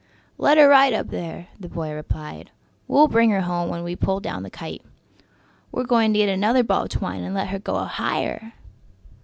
"Let her ride up there!" the boy replied. "We'll bring her home when we pull down the kite! We're going to get another ball of twine and let her go higher!"